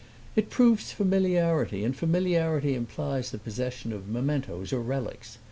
"It proves familiarity, and familiarity implies the possession of mementoes, or relics.